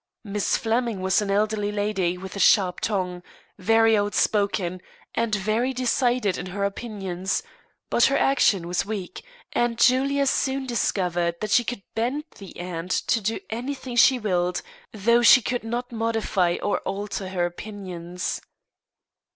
Miss Flemming was an elderly lady with a sharp tongue, very outspoken, and very decided in her opinions; but her action was weak, and Julia soon discovered that she could bend the aunt to do anything she willed, though she could not modify or alter her opinions.